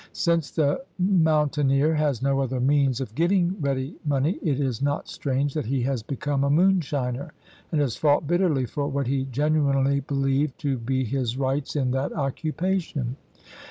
Since the mountaineer has no other means of getting ready money, it is not strange that he has become a moonshiner and has fought bitterly for what he genuinely believed to be his rights in that occupation.